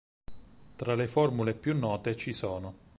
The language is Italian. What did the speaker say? Tra le formule più note ci sono.